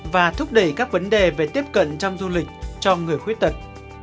và thúc đẩy các vấn đề về tiếp cận trong du lịch cho người khuyết tật